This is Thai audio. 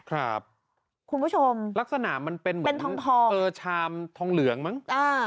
คุณผู้ชมลักษณะมันเป็นเหมือนชามทองเหลืองมั้ง